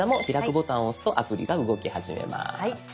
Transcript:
ボタンを押すとアプリが動き始めます。